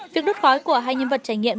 việc đốt khói của hai nhân vật trải nghiệm